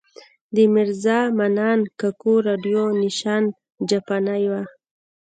د میرزا منان کاکو راډیو نېشن جاپانۍ وه.